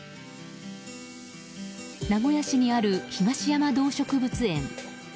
名古屋市にある東山動植物園。